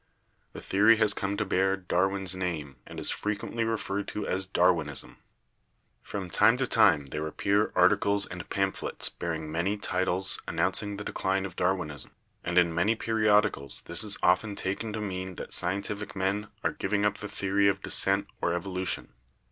The theory has come to bear Dar win's name and is frequently referred to as 'Darwinism/ From time to time there appear articles and pamphlets bearing many titles announcing the decline of Darwinism, and in many periodicals this is often taken to mean that scientific men are giving up the theory of descent or evo lution.